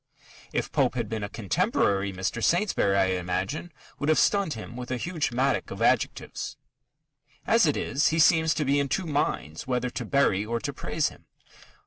If Pope had been a contemporary, Mr. Saintsbury, I imagine, would have stunned him with a huge mattock of adjectives. As it is, he seems to be in two minds whether to bury or to praise him.